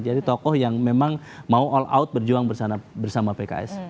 jadi tokoh yang memang mau all out berjuang bersama pks